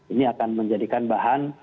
ini akan menjadikan bahan